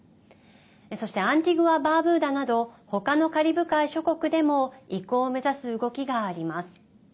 そしてアンティグア・バーブーダなど他のカリブ海諸国でも移行を目指す動きがあります。